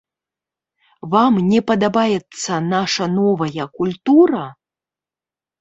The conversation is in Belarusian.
Вам не падабаецца наша новая культура?